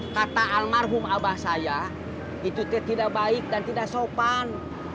kata almarhum abah saya itu tidak baik dan tidak sopan